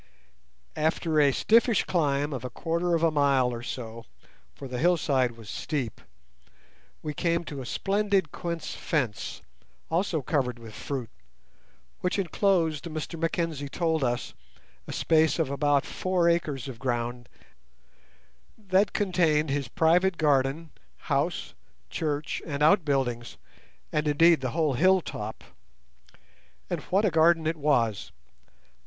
After a stiffish climb of a quarter of a mile or so—for the hillside was steep—we came to a splendid quince fence, also covered with fruit, which enclosed, Mr Mackenzie told us, a space of about four acres of ground that contained his private garden, house, church, and outbuildings, and, indeed, the whole hilltop. And what a garden it was!